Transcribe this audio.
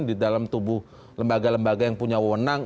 di dalam tubuh lembaga lembaga yang punya wonang